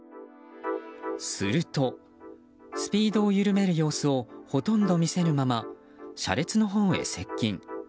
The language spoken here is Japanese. すると、スピードを緩める様子をほとんど見せぬまま車列のほうへ接近。